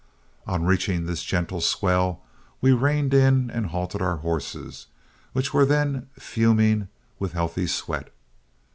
On reaching this gentle swell, we reined in and halted our horses, which were then fuming with healthy sweat.